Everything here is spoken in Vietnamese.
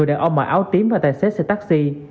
áo tím và tài xế xe taxi